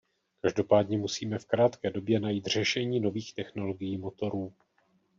Každopádně musíme v krátké době najít řešení nových technologií motorů.